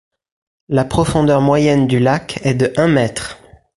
La profondeur moyenne du lac est de un mètre.